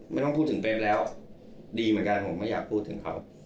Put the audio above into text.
ไม่ต้องพูดถึงเบสแล้วดีเหมือนกันผมไม่อยากพูดถึงเขา